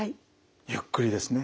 ゆっくりですね。